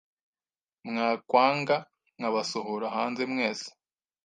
mwakwanga nkabasohora hanze mwese